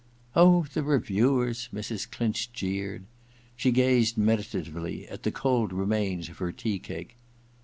* Oh, the reviewers,' Mrs. Clinch jeered. She gazed meditatively at the cold remains of her tea cake.